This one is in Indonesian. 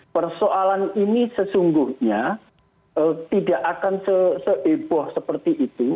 persoalan ini sesungguhnya tidak akan seheboh seperti itu